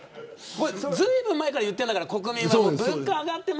ずいぶん前から言ってるんだから国民は。